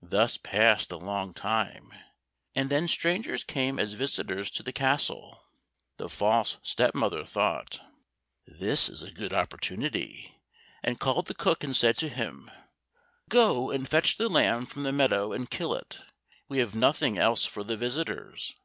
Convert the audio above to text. Thus passed a long time, and then strangers came as visitors to the castle. The false step mother thought, "This is a good opportunity," and called the cook and said to him, "Go and fetch the lamb from the meadow and kill it, we have nothing else for the visitors."